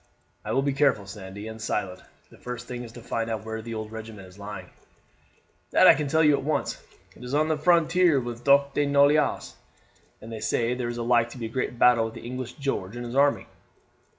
"I will be careful, Sandy, and silent. The first thing is to find out where the old regiment is lying." "That I can tell you at once. It is on the frontier with the Duc de Noailles, and they say that there is like to be a great battle with English George and his army."